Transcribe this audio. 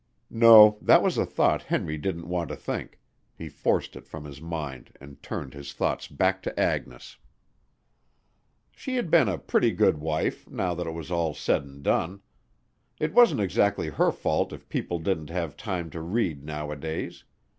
No, that was a thought Henry didn't want to think, he forced it from his mind and turned his thoughts back to Agnes. She had been a pretty good wife, now that it was all said and done. It wasn't exactly her fault if people didn't have time to read nowadays.